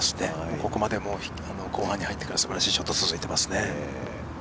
ここまで後半に入ってからすばらしいショットが続いています。